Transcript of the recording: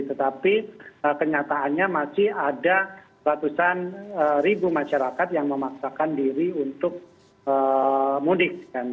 tetapi kenyataannya masih ada ratusan ribu masyarakat yang memaksakan diri untuk mudik